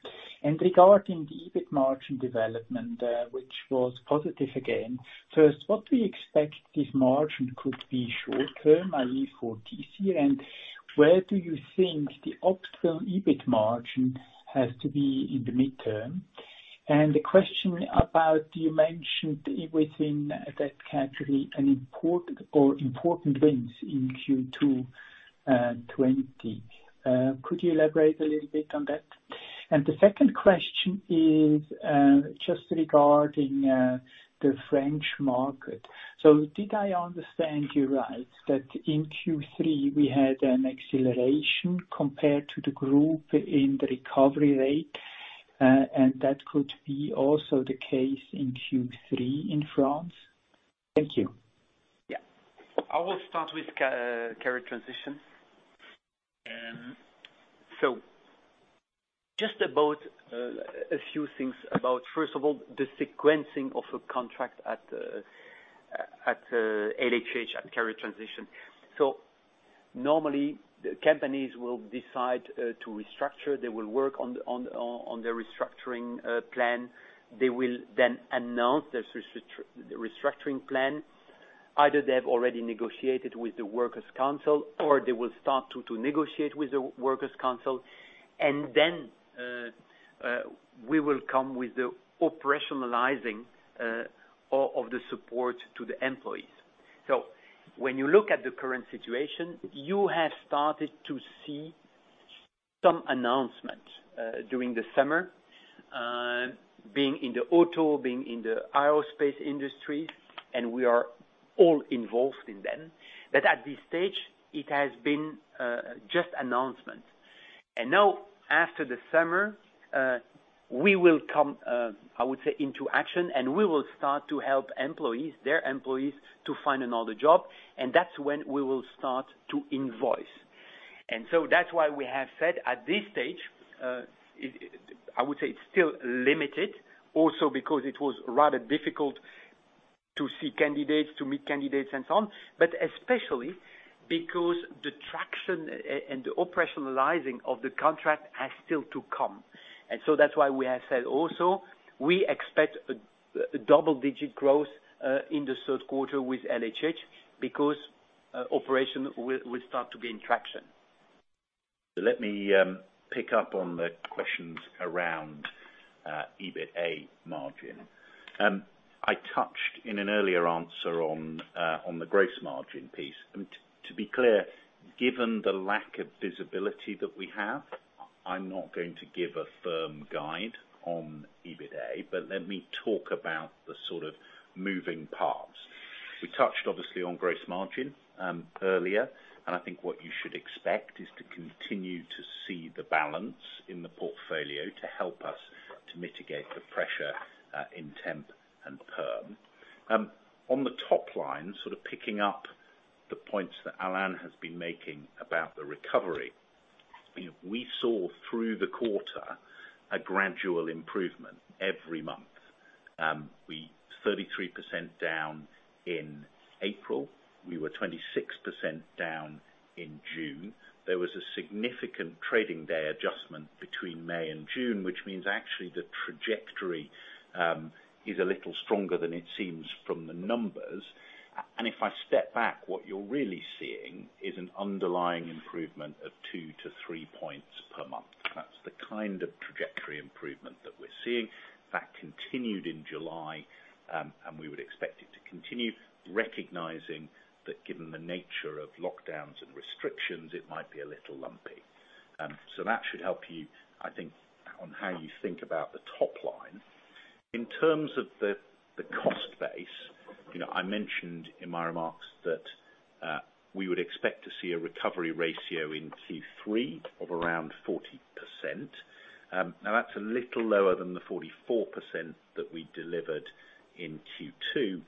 S8: Regarding the EBIT margin development, which was positive again. First, what we expect is this margin could be short-term, i.e., for this quarter, and where do you think the optimal EBIT margin has to be in the midterm? The question about, you mentioned within that category important wins in Q2 2020. Could you elaborate a little bit on that? The second question is just regarding the French market. Did I understand you right that in Q3 we had an acceleration compared to the group in the recovery rate, and that could also be the case in Q3 in France? Thank you.
S3: Yeah. I will start with career transition. Just about a few things about, first of all, the sequencing of a contract at LHH, a career transition. Normally, companies will decide to restructure. They will work on their restructuring plan. They will then announce the restructuring plan. Either they have already negotiated with the workers' council, or they will start to negotiate with the workers' council. We will come up with the operationalizing of the support to the employees. When you look at the current situation, you have started to see some announcements during the summer, being in the auto and being in the aerospace industry, and we are all involved in them. At this stage, it has been just an announcement. Now after the summer, we will come, I would say, into action, and we will start to help their employees to find another job, and that's when we will start to invoice. That's why we have said at this stage, I would say it's still limited also because it was rather difficult to see candidates, to meet candidates, and so on. Especially because the traction and the operationalizing of the contract have still to come. That's why we have also said we expect double-digit growth in the third quarter with LHH because operation will start to be in traction.
S4: Let me pick up on the questions around EBITA margin. I touched on in an earlier answer on the gross margin piece. To be clear, given the lack of visibility that we have, I'm not going to give a firm guide on EBITA, but let me talk about the sort of moving parts. We touched obviously on gross margin earlier; I think what you should expect is to continue to see the balance in the portfolio to help us to mitigate the pressure in temp and perm. On the top line, sort of picking up the points that Alain has been making about the recovery. We saw through the quarter a gradual improvement every month. 33% down in April. We were 26% down in June. There was a significant trading day adjustment between May and June, which means actually the trajectory is a little stronger than it seems from the numbers. If I step back, what you're really seeing is an underlying improvement of two to three points per month. That's the kind of trajectory improvement that we're seeing. That continued in July, and we would expect it to continue recognizing that given the nature of lockdowns and restrictions, it might be a little lumpy. That should help you, I think, on how you think about the top line. In terms of the cost base, I mentioned in my remarks that we would expect to see a recovery ratio in Q3 of around 40%. Now that's a little lower than the 44% that we delivered in Q2.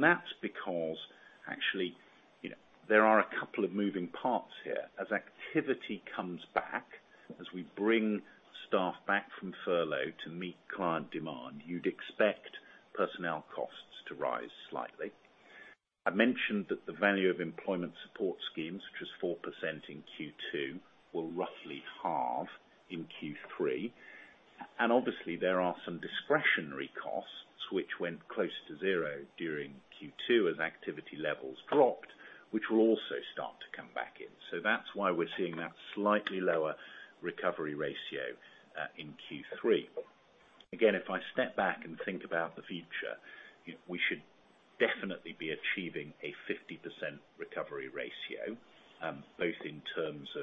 S4: That's because actually, there are a couple of moving parts here. As activity comes back, as we bring staff back from furlough to meet client demand, you'd expect personnel costs to rise slightly. Obviously there are some discretionary costs that went closer to zero during Q2 as activity levels dropped, which will also start to come back in. I mentioned that the value of employment support schemes, which was 4% in Q2, will roughly halve in Q3. That's why we're seeing that slightly lower recovery ratio in Q3. Again, if I step back and think about the future, we should definitely be achieving a 50% recovery ratio, both in terms of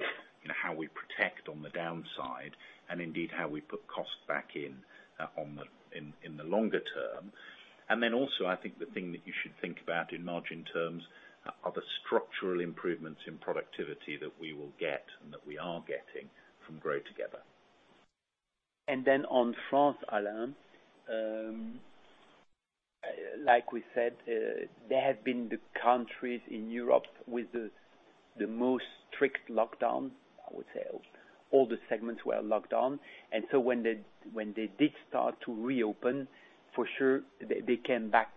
S4: how we protect on the downside and, indeed, how we put cost back in the longer term. I think the thing that you should think about in margin terms is the structural improvements in productivity that we will get and that we are getting from GrowTogether.
S3: In France, Alain, like we said, they have been the countries in Europe with the most strict lockdown. I would say all the segments were locked down. When they did start to reopen, for sure, they came back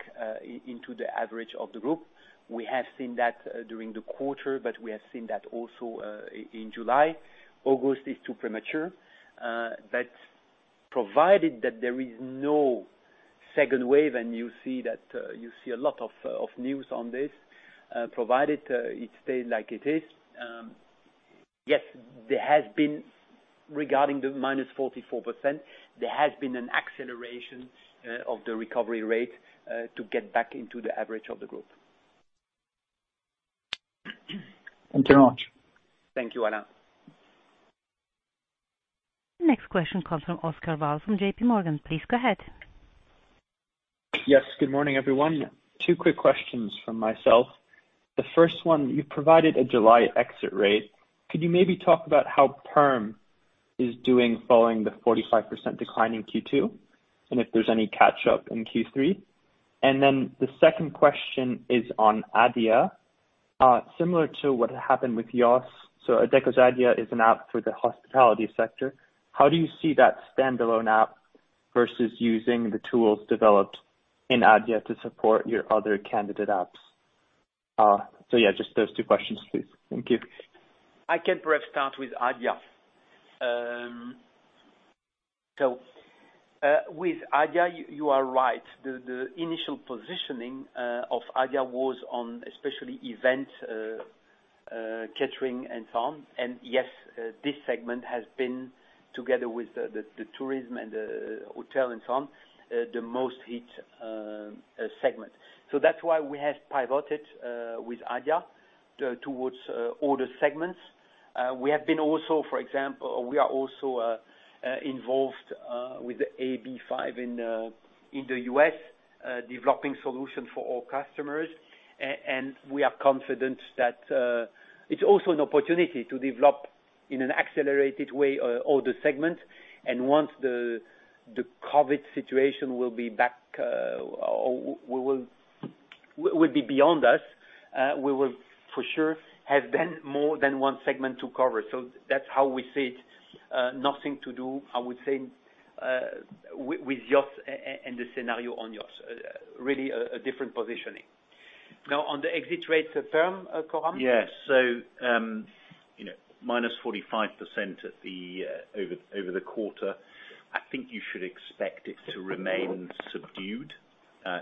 S3: into the average of the group. We have seen that during the quarter, but we have seen that also in July. August is too premature. Provided that there is no second wave and you see a lot of news on this, provided it stays like it is, yes, regarding the -44%, there has been an acceleration of the recovery rate to get back into the average of the group.
S8: Thank you very much.
S3: Thank you, Alain.
S1: Next question comes from Oscar Val Mas from JPMorgan. Please go ahead.
S9: Yes, good morning, everyone. Two quick questions from me. The first one, you provided a July exit rate. Could you maybe talk about how perm is doing following the 45% decline in Q2, and if there's any catch-up in Q3? The second question is on Adia. Similar to what happened with YOSS. Adecco's Adia is an app for the hospitality sector. How do you see that standalone app versus using the tools developed in Adia to support your other candidate apps? Yeah, just those two questions, please. Thank you.
S3: I can perhaps start with Adia. With Adia, you are right. The initial positioning of Adia was especially on event catering and so on. Yes, this segment has been, together with tourism and hotels and so on, the most hit segment. That's why we have pivoted with Adia towards other segments. We are also involved with AB5 in the U.S., developing solution for all customers. We are confident that it's also an opportunity to develop in an accelerated way all the segments. Once the COVID-19 situation is beyond us, we will for sure have then more than one segment to cover. That's how we see it, nothing to do, I would say, with YOSS and the scenario on YOSS. Really a different positioning. Now, on the exit rate to perm, Coram?
S4: Yes, -45% over the quarter. I think you should expect it to remain subdued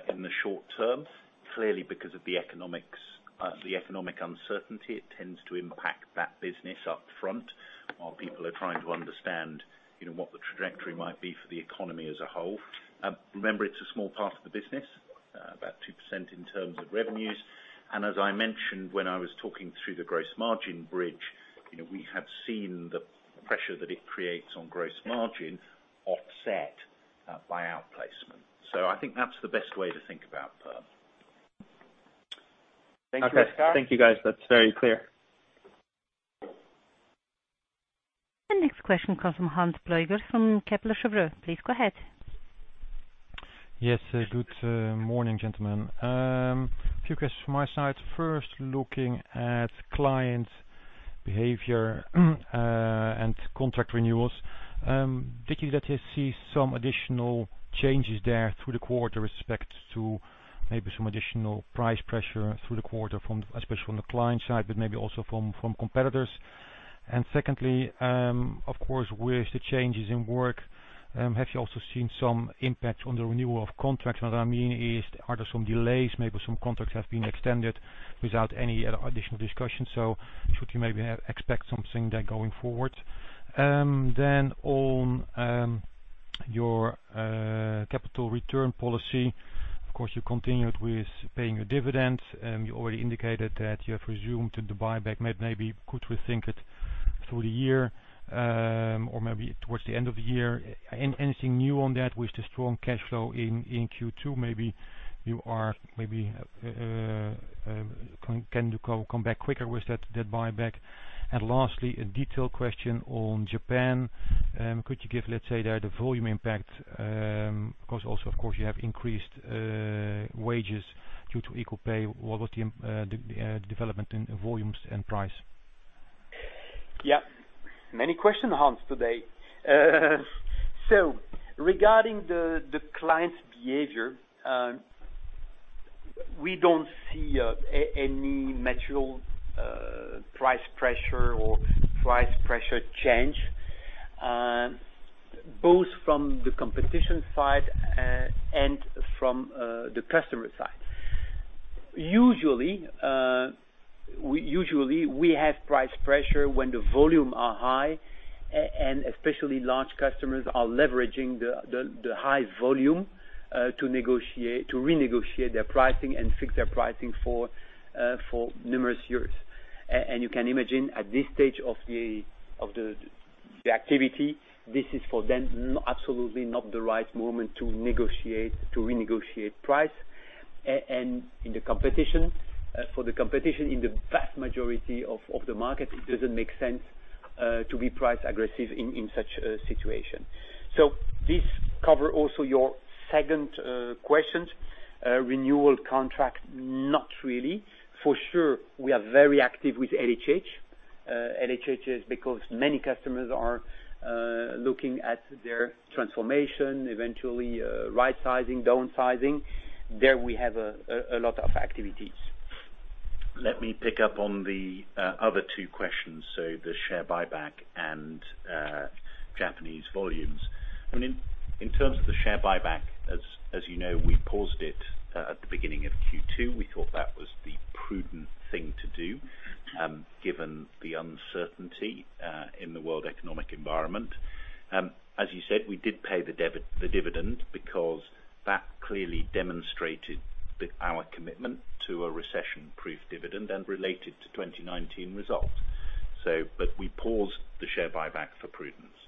S4: in the short term. Clearly, because of the economic uncertainty, it tends to impact that business up front while people are trying to understand what the trajectory might be for the economy as a whole. Remember, it's a small part of the business, about 2% in terms of revenues. And as I mentioned when I was talking through the gross margin bridge, we have seen the pressure that it creates on gross margin offset by outplacement. I think that's the best way to think about perm.
S9: Thank you. Okay. Thank you, guys. That's very clear.
S1: The next question comes from Hans Pluijgers from Kepler Cheuvreux. Please go ahead.
S10: Yes. Good morning, gentlemen. A few questions from my side. Looking at client behavior and contract renewals, did you see some additional changes there through the quarter with respect to maybe some additional price pressure through the quarter, especially from the client side, but maybe also from competitors? Secondly, of course, with the changes in work, have you also seen some impact on the renewal of contracts? What I mean is, are there some delays, maybe some contracts have been extended without any additional discussion. Should we maybe expect something there going forward? On your capital return policy, of course, you continued with paying your dividends. You already indicated that you have resumed the buyback; maybe you could rethink it through the year, or maybe towards the end of the year. Anything new on that with the strong cash flow in Q2? Maybe you can come back quicker with that buyback? Lastly, a detailed question on Japan. Could you give, let's say, the volume impact there? Also, of course, you have increased wages due to equal pay. What was the development in volumes and price?
S3: Many questions, Hans, today. Regarding the client's behavior, we don't see any material price pressure or price pressure change, both from the competition side and from the customer side. Usually, we have price pressure when the volume is high, and especially large customers are leveraging the high volume to renegotiate their pricing and fix their pricing for numerous years. You can imagine at this stage of the activity, this is for them absolutely not the right moment to renegotiate the price. For the competition in the vast majority of the market, it doesn't make sense to be price-aggressive in such a situation. This also covers your second question, renewal contract, not really. For sure, we are very active with LHH. LHH is because many customers are looking at their transformation eventually, rightsizing, and downsizing. There we have a lot of activities.
S4: Let me pick up on the other two questions. The share buyback and Japanese volumes. In terms of the share buyback, as you know, we paused it at the beginning of Q2. We thought that was the prudent thing to do, given the uncertainty in the world economic environment. As you said, we did pay the dividend because that clearly demonstrated our commitment to a recession-proof dividend and related to 2019 results. We paused the share buyback for prudence.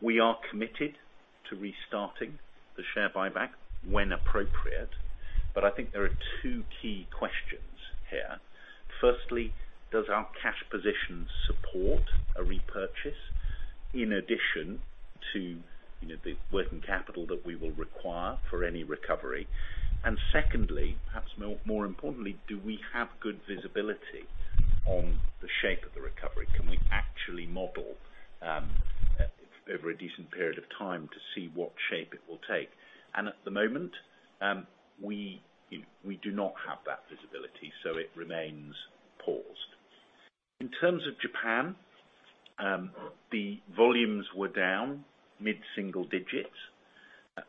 S4: We are committed to restarting the share buyback when appropriate, but I think there are two key questions here. Firstly, does our cash position support a repurchase in addition to the working capital that we will require for any recovery? Secondly, perhaps more importantly, do we have good visibility on the shape of the recovery? Can we actually model over a decent period of time to see what shape it will take? At the moment, we do not have that visibility, so it remains paused. In terms of Japan, the volumes were down mid-single digits.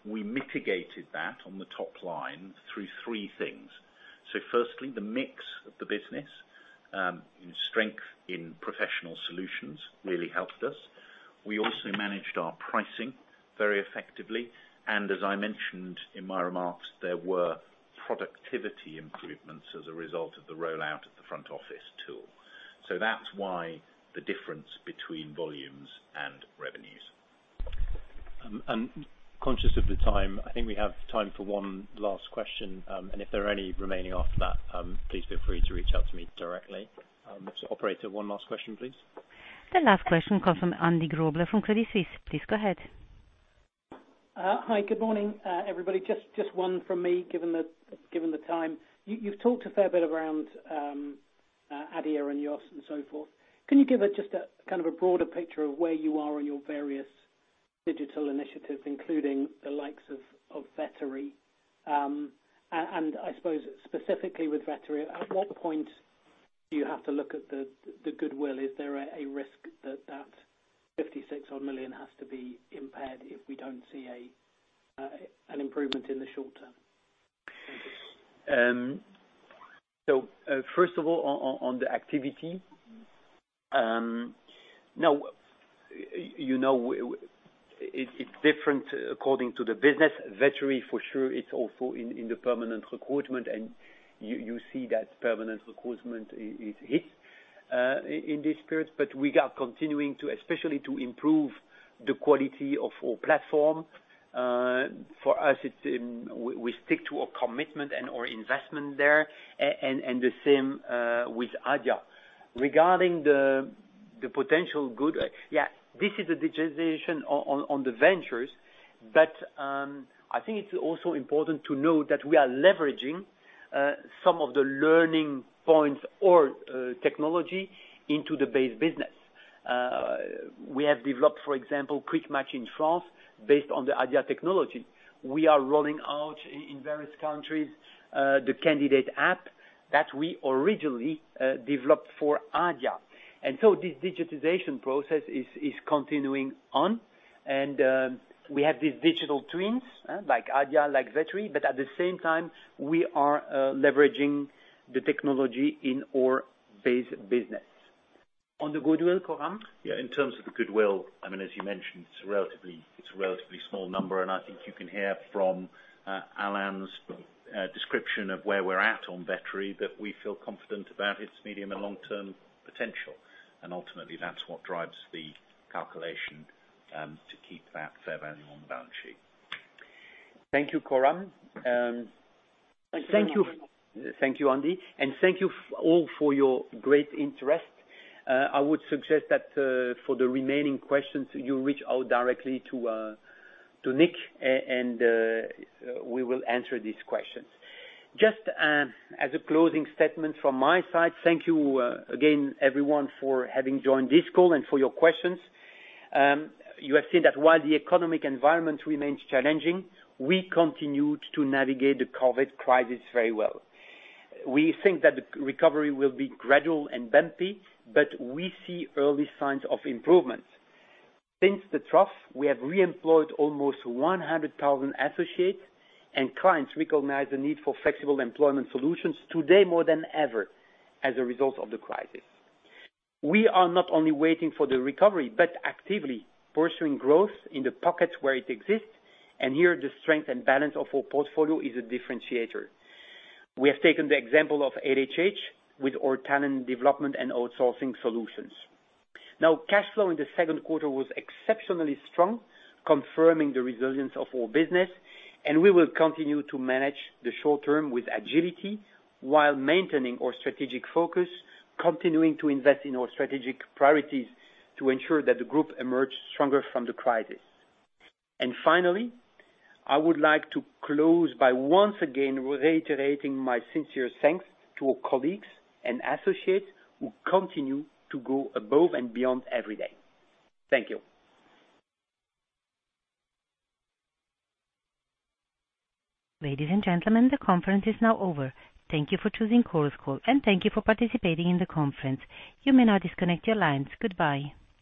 S4: We mitigated that on the top line through three things. Firstly, the mix of the business and strength in professional solutions really helped us. We also managed our pricing very effectively, and as I mentioned in my remarks, there were productivity improvements as a result of the rollout of the front office tool. That's why there's a difference between volumes and revenues.
S2: I'm conscious of the time. I think we have time for one last question, and if there are any remaining after that, please feel free to reach out to me directly. Operator, one last question, please.
S1: The last question comes from Andy Grobler from Credit Suisse. Please go ahead.
S11: Hi. Good morning, everybody. Just one from me, given the time. You've talked a fair bit around Adia and YOSS and so forth. Can you give just kind of a broader picture of where you are in your various digital initiatives, including the likes of Vettery? I suppose specifically with Vettery, at what point do you have to look at the goodwill? Is there a risk that 56 million has to be impaired if we don't see an improvement in the short term? First of all, on the activity. Now, you know it's different according to the business. Vettery, for sure; it's also in the permanent recruitment, and you see that permanent recruitment is hit in this period, but we are continuing, especially to improve the quality of our platform. For us, we stick to our commitment and our investment there, and the same with Adia.
S3: Regarding the potential goodwill, this is the digitization of the ventures, but I think it's also important to note that we are leveraging some of the learning points or technology into the base business. We have developed, for example, Quick Match in France based on the Adia technology. We are rolling out in various countries the candidate app that we originally developed for Adia. This digitization process is continuing on. We have these digital twins, like Adia and like Vettery, but at the same time, we are leveraging the technology in our base business. On the goodwill, Coram?
S4: In terms of goodwill, as you mentioned, it's a relatively small number, and I think you can hear from Alain's description of where we're at on Vettery that we feel confident about its medium- and long-term potential. Ultimately, that's what drives the calculation to keep that fair value on the balance sheet.
S3: Thank you, Coram.
S11: Thank you very much.
S3: Thank you, Andy. Thank you all for your great interest. I would suggest that, for the remaining questions, you reach out directly to Nick, and we will answer these questions. Just as a closing statement from my side, thank you again, everyone, for having joined this call and for your questions. You have seen that while the economic environment remains challenging, we continue to navigate the COVID crisis very well. We think that the recovery will be gradual and bumpy, but we see early signs of improvement. Since the trough, we have reemployed almost 100,000 associates, and clients recognize the need for flexible employment solutions today more than ever as a result of the crisis. We are not only waiting for the recovery but also actively pursuing growth in the pockets where it exists, and here the strength and balance of our portfolio is a differentiator. We have taken the example of LHH with our talent development and outsourcing solutions. Cash flow in the second quarter was exceptionally strong, confirming the resilience of our business, and we will continue to manage the short term with agility while maintaining our strategic focus, continuing to invest in our strategic priorities to ensure that the Group emerges stronger from the crisis. Finally, I would like to close by once again reiterating my sincere thanks to our colleagues and associates who continue to go above and beyond every day. Thank you.
S1: Ladies and gentlemen, the conference is now over. Thank you for choosing Chorus Call, and thank you for participating in the conference. You may now disconnect your lines. Goodbye.